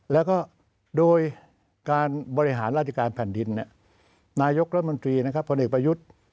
แล้วก็โดยการบริหารราชการแผ่นดินนายกรัฐมนตรีนะครับผลเอกประยุทธ์